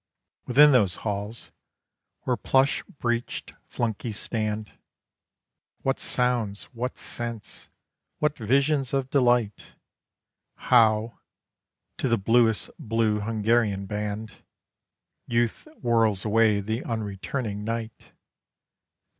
Within those halls, where plush breeched flunkeys stand, What sounds, what scents, what visions of delight! How to the bluest Blue Hungarian band Youth whirls away the unreturning night!